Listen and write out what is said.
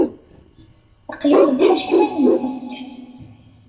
Aql-ikent ḥaca iman-nkent.